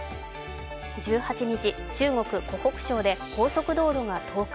１８日、中国・湖北省で高速道路が倒壊。